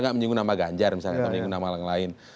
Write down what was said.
nggak menyinggung nama ganjar misalnya atau menyinggung nama yang lain